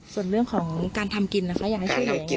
ส่วนเรื่องของการทำกินนะคะอยากให้ช่วยเหลืออย่างนี้